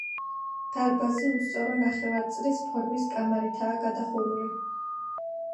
დარბაზი უსწორო ნახევარწრის ფორმის კამარითაა გადახურული.